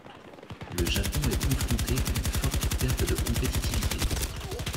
Le Japon est confronté à une forte perte de compétitivité.